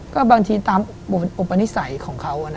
ก็บางทีตามอุปนิสัยของเขา